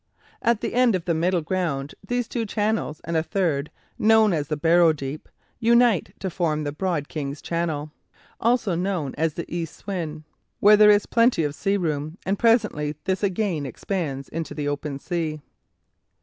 At the end of the Middle Ground these two channels and a third (known as the Barrow Deep) unite to form the broad King's Channel (also known as the East Swin), where there is plenty of sea room, and presently this again expands into the open sea.